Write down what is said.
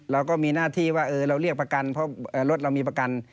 เราก็มีหน้าที่ว่าเราเรียกประกันเพราะรถเรามีประกัน